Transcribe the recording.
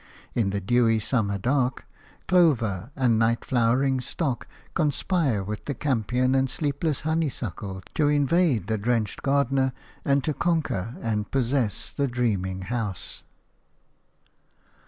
In the dewy summer dark, clover and night flowering stock conspire with the campion and the sleepless honeysuckle to invade the drenched garden and to conquer and possess the dreaming house.